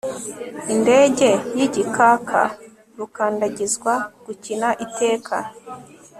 indege y'igikaka rukandagizwa gukina iteka